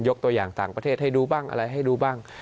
ตัวอย่างต่างประเทศให้ดูบ้างอะไรให้รู้บ้าง